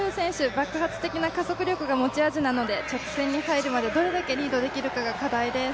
爆発的な加速力が持ち味なので直線に入るまでどれだけリードできるかが課題です。